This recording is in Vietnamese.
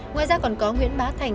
ngoài ra còn có nguyễn bá thành